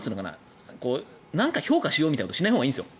何か評価しようみたいなことをしないほうがいいんですよ。